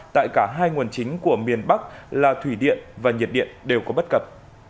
tại cả hai nguồn chính của miền bắc là thủy điện và nhiệt điện đều có bất cập